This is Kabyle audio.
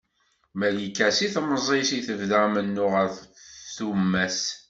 Malika seg temẓi-s i tebda amennuɣ ɣef tumas.